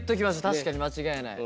確かに間違いない。